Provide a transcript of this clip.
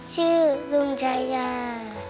ชื่อลุงชายา